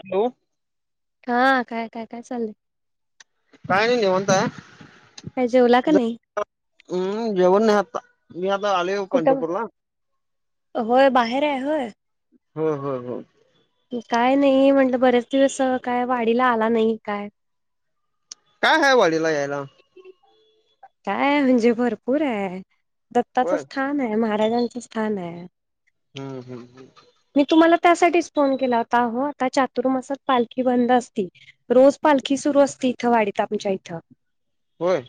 Hello हा काय काय काय चाललंय का नाही निवांत आहे काही जेवला का नाही हम्म जेवण न्हाय आता मी आता आलोय हो कुठं पंढरपूरला होय बाहेर आहे होय हो हो हो काय नाही म्हटलं बरेच दिवस काय वारीला आला नाही काय काय हाय वडीला यायला काय म्हणजे भरपूर आहे दत्ताचं होय स्थान हाय महाराजांचं स्थान हाय हम्म हम्म हम् मी तुम्हाला त्यासाठीच फोन केला होताह आता चातुर्मासात पालखी बंद असती रोज पालखी सुरु असती इथं वाढत आमच्या इथं होय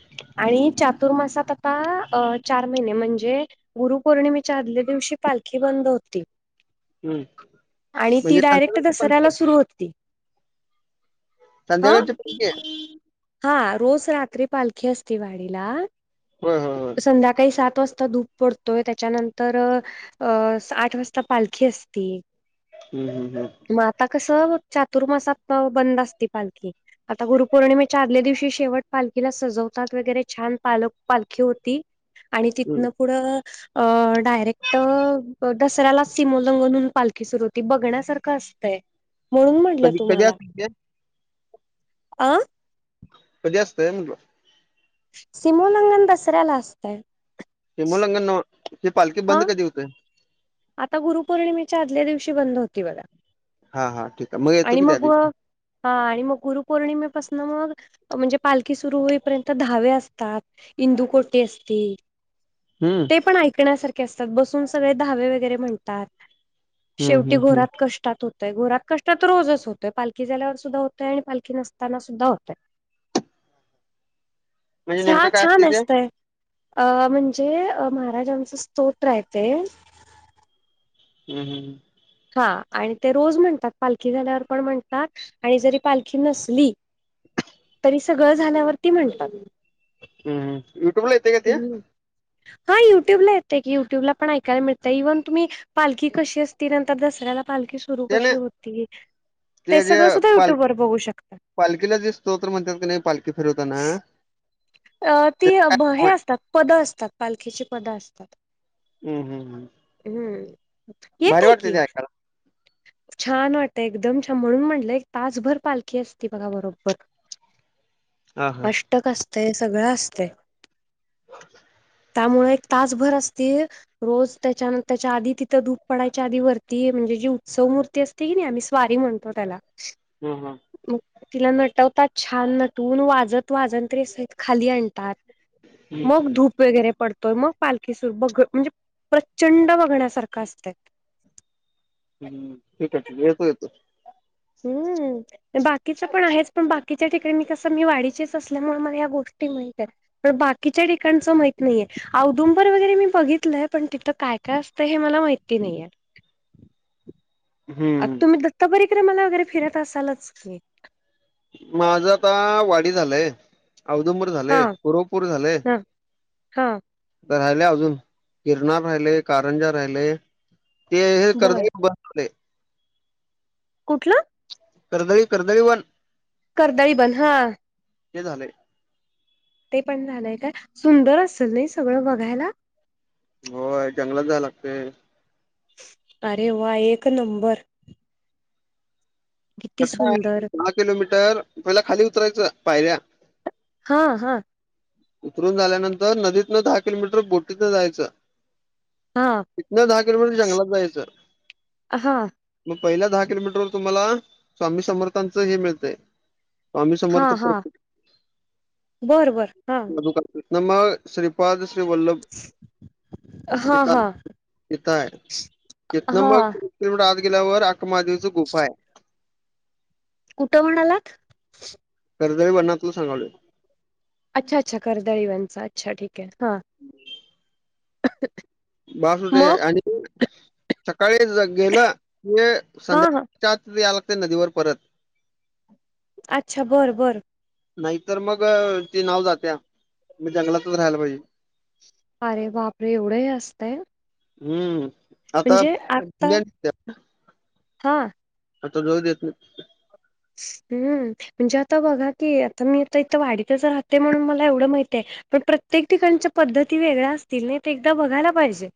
आणि चातुर्मासात आता आणि चार महिने म्हणजे गुरुपौर्णिमेच्या आदल्या दिवशी पालखी बंद होती हम्म आणि म्हणजे ती डायरेक्ट संध्याकाळची पालखी दसऱ्याला सुरु होती हा संध्याकाळची पालखी आहे हा रोज रात्री पालखी असती वाडीला होय होय होय संध्याकाळी सात वाजता धू- पडतोय त्याच्यानंतर अं आठ वाजता पालखी असती- नाहीना [unintelligible] मग आता कसं चातुर्मासात बंद असती पालखी आता गुरुपौर्णिमेच्या आदल्या दिवशी शेवट पालखीला सजवत वर छान पालख पालखी होती आणि हम्म तिथन पुढं डायरेक्ट दसऱ्यालाच सिमो लंगननून पालखी सुरू होती बघण्यासारखं असतंय म्हणून म्हटलं कधी कधी तुम्हाला असते ते अ कधी असतोय म्हंटलो? सिमोलंगन दसऱ्याला असतंय- सिमोल्लंघन नव्ह हे पालखी हा बंद कधी होतेयं आता गुरुपौर्णिमेच्या आदल्या दिवशी बंद होती बघा हा हा ठीक आहे येतो आणि की त्या मग दिवशी व- हां आणि मग गुरुपौर्णिमेपासून मग- म्हणजे पालखी सुरू होईपर्यंत धावे असतात इंदुकोटे असती- हुं- ते पण ऐकण्यासारखे असतात बसून सगळे धहावे वगैरे म्हणतात हम्म शेवटी हम्म हम्म घोरात कष्टात- होतय घोरात कष्टात तर रोजच होतय पालखी झाल्यावर सुद्धा होतयं आणि पाली नसताना सुद्धा होतयं. म्हणजे चहा नेमकं काय असतंय छान ते असतयं- अं म्हणजे महाराजांचा स्तोत्र आहे ते- हुं हुं- हां आणि ते रोज म्हणतात पालखी झाल्यावर पण म्हणतात आणि जरी पालखी नसली- तरी सगळं झाल्यावरती म्हणतात. हुं युट्यूबला येतेयं का ते? हां युट्यूबला येतकी युट्यब ला पण ऐकायं मिळत इव्हन तुम्ही- पालखी कशी असती नंतर दसऱ्याला पालखी सुरू ते कशी नाही होती ते जे सगळं सुद्धा पाल युट्यूब वर बघू शकता. पालखीला जे स्तोत्र म्हणत्यात की नाही पालखी फिरवताना अं ते ती काय अभ हे असतात पदं असतात, पालखीची पदं असतात हम्म हम्म हम्म ह भारी वाटते येतंकी ते ऐकायला छान वाटंतय एकदम छान म्हणून म्हटलं एक तासभर पालखी असती बघा बरोबर हा हा अष्टक असतयं सगळं असतंय त्यामुळे एक तासभर असती रोज त्याच्यानंत त्याच्या आधी तिथं धूप पडायच्या आधी वरती म्हणजे जीव सव मूर्ती असतेंय कीनी आम्ही स्वारी म्हणतो त्याला ह, ह मग तिला नटवतात छान नटवूंन वाजत वाजंत्री सहित खाली आणतात हम्म. मग धूप प वगैरे पडतोय मग पालखीस बघ म्हणजे प्रचंड बघण्यासारखं असतंय ह ठीक आहे, ठीक आहे येतो, येतो हम्म बाकीच पण आहेच पण बाकीच्या ठिकाणी मी कसं मी वाडीचेच असल्यामुळे मला या गोष्टी माहिती येत पण बाकीच्या ठिकाणच माहित नाहीये औदुंबर वगैरे मी बघितलंय पण तिथं काय काय असतं हे मला माहिती नाहीये आ तुम्ही हम्म दत्ता परीक्रमाला वगैरे फिरत असालचं की माझ आता वाडी झालंय, औदुंबर झालंय, कुरवपूर झालंय हां राहिलंय अजून गिरनार राहिलेयं कारंजा राहिलंय ते हें बर कर्दळी बन आले कुठलं? करर्दळी, करदळी वन कर्दळी बन हां ते झालंय ते पण झालंय काय? सुंदर असेलनायी सगळं बघायला होय जंगलात जाय लागतयं अरे वा! एक नंबर किती कस आहे सुंदर दहा किलोमीटर पहिला खाली उतरायचं पायऱ्या हा, हा उतरून झाल्यानंतर नदीतनं दहा किलोमीटर बोटीतन जायचं हा तीतन दहा किलोमीटर जंगलात जायचं हा मग पहिल्या दहा किलोमीटर वर तुम्हाला स्वामी समर्थांचं हे मिळतंय स्वामी हा, समर्थ हा पुस्तकाचं बरं, बरं हा तिथन मग श्रीपाद श्री वल्लभ हा तिथं आहे, हा तिथं आहे तिथन हा मगं किलोटर आत गेल्यावर अक्मादेवी च गुफा आहे कुठं म्हणालात? कर्दळी वनातलं सांगायलोय अच्छा, अच्छा कर्दळी वनचा अच्छा ठीक आहे हां बास होतंय आणि सकाळी गेलं ते हा संध्या हा त्यातच यावं लागतंय नदीवर परत अच्छा बरं, बरं नाहीतर मग ते नाव जाते मी जंगलातच राहायला पाहिजे. अरे बापरे एवढं असतय. हम्म आता. आता [inaudible] हा. आता जाऊ देतो. हम्म म्हणजे आता बघा की आता मी आता इथं वाडीतच राहते म्हणून मला एवढं माहितीय आहे. पण प्रत्येक ठिकाच्या पद्धती वेगळ्या असतील नाही ते एकदा बघायला पाहिजे.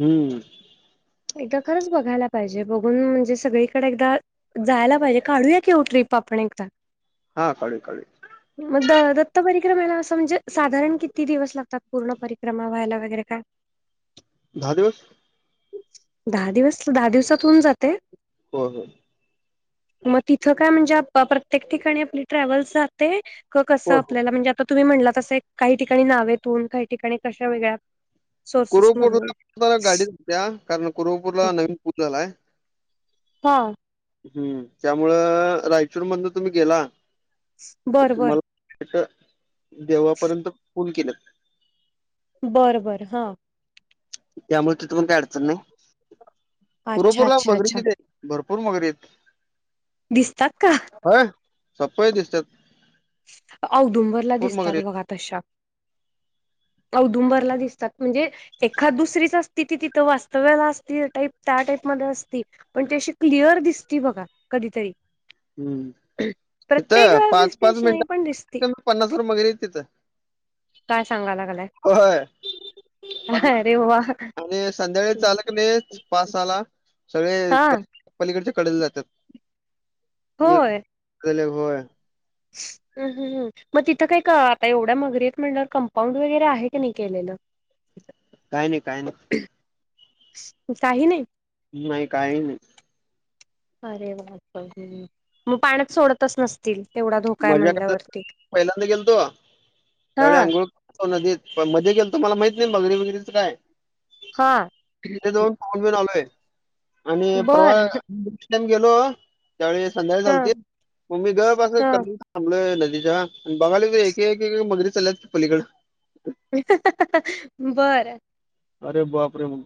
हम्म. एकदा खरंच बघायला पाहिजे बघून म्हणजे सगळीकडे एकदा जायला पाहिजे काढूया. की ट्रिप आपण एकदा. हा, काढूया काढूया. मग द दत्त परिक्रमेला असं म्हणजे साधारण किती दिवस लागतात पूर्ण परिक्रमा व्हायला वगैरे काय? दहा दिवस. दहा दिवस दहा दिवसात होऊन जाते. हो, हो. मग तिथं काय म्हणजे प्रत्येक ठिकाणी आपली ट्रॅव्हल्स जाते हो कसं हो आपल्याला म्हणजे. तर तुम्ही म्हणला तसे काही ठिकाणी नावेतून काही ठिकाणी कशा वेगळ्या. सोर्सेस मधून. त्या कारण कुरोपूरला नवीन पूजा झालाय. हा. हम्म त्यामुळ रायचूर मधन तुम्ही गेला. बरं, बरं. तुम्हाला देवापर्यंत फूल केलं. बरं, बरं ह. त्यामुळे तिथं पण काय अडचण नाही अच्छा कुरूपपूर अच्छा मगरी अच्छा तिथ भरपूर मगरी आहेत. दिसतात का? हा सप्राईज दिसतात. औदुंबरला भरपूर मगरी दिसतात आहेत बघा तशा. औदुंबरला दिसतात म्हणजे. एखाद दुसरीच असती ती तिथं वास्तव्याला असते टाईप त्या टाईपमध्येध्ये असती पण त्या अशी क्लिअर दिसती बघा कधीतरी हम्म इथ प्रत्येक वेळेस पाच दिसते पाच अशी नाही पण दिसते मिनट पन्नास वुपय मगैर येत तिथं काय सांगा लागलाय? प अरे वा आणि संध्याकाळी. चालक नाही पाच सहाला. सगळे हा पलीकडच्या कडले जातात. एक गले होय. हम् हम् हम्. मग तिथं काय का आता एवढ्या मगरीेत म्हणलं कंपाऊंड वगैरे आहे की नाही केलेलं. काही नाही काय नाही काही नाही नाही काही नाही अरे वा मग पाण्यात सोडतच नसतील तेवढा धोका आहे मज्या करता म्हणल्यावरती. पहिल्यांदा गेल तो हा त्यावेळी आंघोळ हो नदी पण मध्ये गेल त म्हाला माहित नाही बगरी वगरीच काय हा, ते दोन फोन घेऊन आलोय आणि परवा बरं इन्स्टंट गेलो. त्यावेळी संध्याका हा चालतील मग मी गप असं. हा बलोय नदीच्या आणि बघाय एक मगरी चालल्यात पलीकड. बरं. अरे बापरे मुग.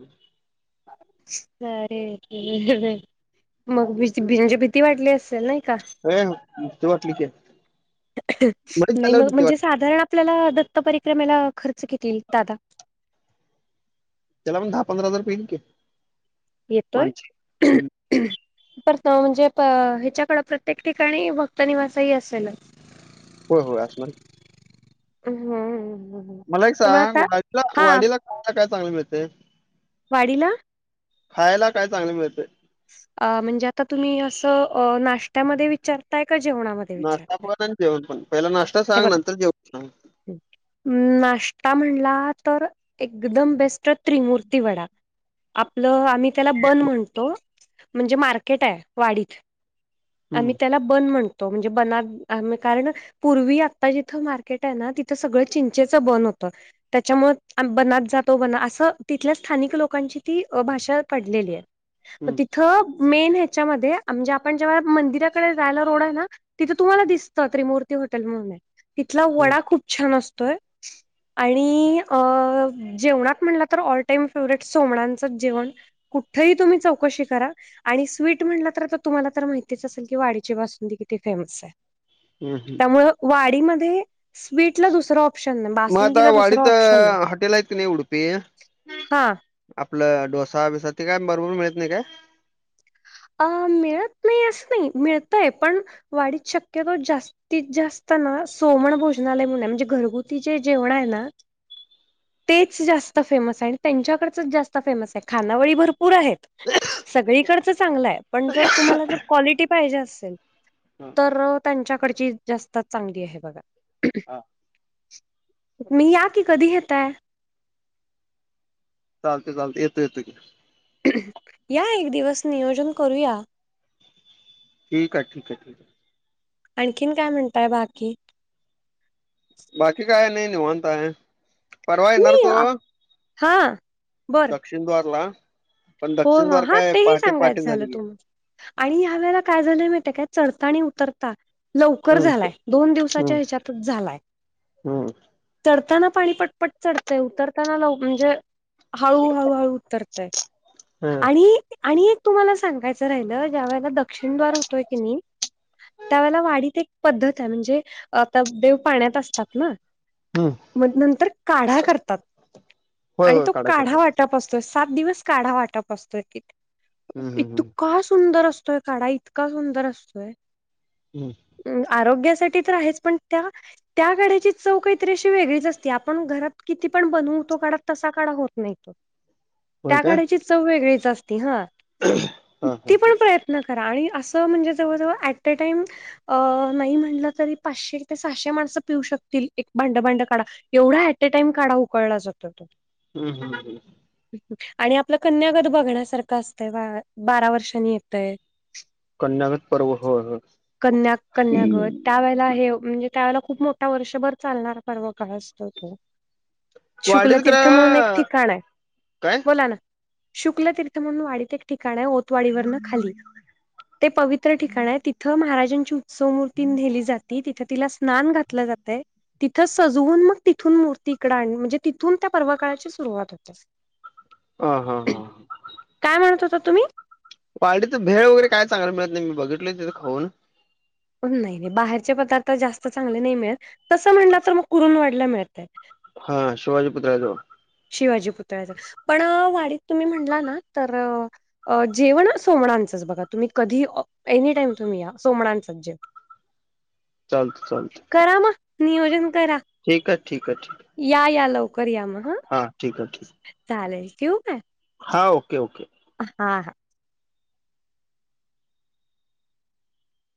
अरे मग भची भीती वाटली असेल ना. हा ए भीती वाटली की मध्येच नाही झाल्यावर मग भीती म्हणजे वाटली साधारण आपलं. आपल्याला दत्त परिक्रमेला खर्च घेतीलतील दादा. त्याला पण दहा पंरा हजार येईल की. येतोय. माणसे हम्म. परत म्हणजे प ह्याच्याकड प्रत्येक ठिकाणी भक्त निवास ही असेल. हो हो, असणार की. हम हम हम. मला एक सांग वाडीला वाडीला खायला काय चांगलं मिळतेय. वाडीला. खायला काय चांगले मिळतेय. अ म्हणजे आता तुम्ही असं अ नाश्त्यामध्ये विचारताय का जेवणामध्ये. नाश्ता विचारताय? पण आणि जेवण पण पहिला नाश्ता सांग नंतर जेवण सांग. हम. नाश्ता म्हणला तर एकदम बेस्ट त्रिमूर्ती वडा. आपलं आम्ही त्याला बन म्हणतो म्हणजे मार्केट आहे वाडीत. हम्म आम्ही त्याला बन म्हणतो म्हणजे बना कारण. पूर्वी आता जिथं मार्केट आहे ना तिथं सगळं चिंचेचं बन होतं. त्याच्यामुळे बनात जातो बना असं तिथल्या स्थानिक लोकांची ती भाषा पडलेली आहे. म हम्म तिथं मेन हे. च्या मध्ये म्हणजे आप जेवा मंदिराकडे जायला रोड हाय ना तिथून तुम्हाला दिसतं त्रिमु ''--'' ती हटेल म्हणून तिथला हम्म वडा खूप छान असतोय. आणि अ जेवणात म्हटलं तर ऑल टाइम फेवरेट सोमणांचंच जेवण. कुठही तुम्ही चौकशी करा. आणि स्वीट म्हणलं तर आता तुम्हाला तर माहितीच असेल की वाडीची बासुंदी किती फेमस आहे. हम. वाडी म स्वीटला दुसरा आ ''--'' म आता वाडीत हॉटेल ऐ त क नाय उडुपी. हा आपलं डोसा बिसा ते काय बरोबर मिळत नाही काय. अ मिळत नाही असं नाही मिळतय पण वाढीत शक्यतो जास्त. ती जास्त ना सोमण भोजनालय म्हणून हाय म्हणजे घरगुती जे जेवण आहे ना. तेच जास्त फेमस आहे आणि त्यांच्याकडचच जास्त फेमस आहे खानावळी भरपूर. पूर आहेत सगळीकडचं चांगलं आहे पण जर तुम्हाला जर क्वालिटी पाहिजे असेल. हा तर त्यांच्याकडची जास्त चांगली आहे बघा. हा मी या कि कधी घताय. चालत चालते येतो येतो की. या एक दिवस नियोजन करूया. ठीक ठीक आहे ठीक आहे. आणखीन काय म्हणताय बाकी बाकी काय नाय निवांत हाय परवा येणार नाही अ, होतो. हा बरं शिंदवारला हो हा तेही सांगायच झालं झाली की. तुम आणि ह्या वेळेला काय झालंय माहितीय काय चढता आणि उतरता लवकर हम्म झालाय दोन दिवसाच्या हम्म ह्याच्यातच झालाय. हम्म चढताना पाणी पटपट चढतंय उतरताना लव म्हणजे हळू हळूहळू उतरतय. हम्म आणि आणि एक तुम्हाला सांगायचं राहिलं ज्या वेळेला दग दक्षिण दार होतोय की नई त्यावेळेला वाडीत एक पद्धत आहे म्हणजे आता देव पाण्यात असतात ना हम्म मग नंतर काढा करतात होय आणि होय तो काढा करते वाटपं असं तो सात दिवस काढा वाटप असतो की हम्म हम्म हम्म. इतका सुंदर अस तो काडा इतका सुंदर असतोय. हम्म अम्म आरोग्यासाठी तर आहेच पण त्या त्या काढ्याची चव कायतरी अशी वेगळीच असते आपण घरात किती पण बनवू तो काढा तसा काढा होत नाही तो. [unintelligible] त्या काय काढ्याची चव वेगळीच असती हा हा हा किती पण प्रयत् यत्न करा आणि असं म्हणजे जवळजवळ ॲटे टाईम अ नाही म्हटलं तरी पाचशे ते सहाशे माणसं पिऊ शकतील एक भांड भांड काढा एवढा ऍटेटाइम काढा उकळला जातो तो. हूं हूं हूं हूं आणि आपलं कन्यागत बघण्यासारखं असतंय बा बारा वर्षांनी येतय कन्यागत पर्व होय होय. कन्या कन्यागट त्या वेळेला हे म्हणजे त्यावेळेला खूप मोठा वर्षभर चालणार पर्व काळ असतं तो वाडीत शुक्लतीर्थ म्हणून एक खरं ठिकाण आहे काय बोला ना शुक्लतीर्थ म्हणून वाडीत एक ठिकाण हाय ओतवाडीवरनं खाली ते पवित्र ठिकाण आहे तिथं महाराजांची उत्सव मूर्ती नेली जाते तिथ तिला स्नान घातलं जातय तिथं सजवून म तिथून मूर्ती इकड आण म्हणजे तिथून त्या पर्व काळाची सुरुवात होते. हा हा हा काय म्हणत होतात तुम्ही कॉलिटीचं भेळ वगैरे काय चांगला मिळत नाय मी बघितलं तिथं खाऊन पण नाही नाही बाहेरचे पदार्थ जास्त चांगले नाही मिळेत तसं म्हणलं तर मग कुरूम वाढला मिळतय. हा शिवाजी पुुतल्याजवळ शिवाजी पुतळ्याच पण वाडीत तुम्ही म्हणला ना तर जेवण सोमणांचंच बघा तुम्ही कधी एनीटाईम तुम्ही या सोमणांचंच जेव [inaudible] चालतं करा म नियोजन करा. ठीकय ठीकय ठीकय या या लवकर या म ह हां ठीक हाय ठीक हाय. चालेल ठेऊ काय? हा ओके ओके. हा हा